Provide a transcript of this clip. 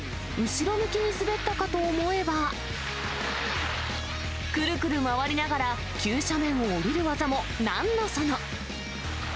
後ろ向きに滑ったかと思えば、くるくる回りながら急斜面を下りる技も、なんのその。